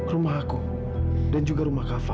rumah aku dan juga rumah kak fad